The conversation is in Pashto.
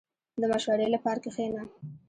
• د مشورې لپاره کښېنه.